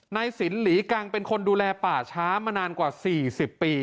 นายสินหลีกังเป็นคนดูแลป่าช้ามานานกว่า๔๐ปี